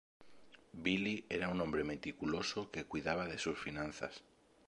Billy era un hombre meticuloso que cuidaba de sus finanzas.